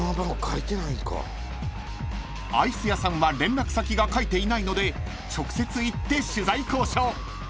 ［アイス屋さんは連絡先が書いていないので直接行って取材交渉］